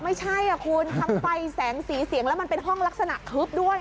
ไม่ใช่คุณทั้งไฟแสงสีเสียงแล้วมันเป็นห้องลักษณะทึบด้วย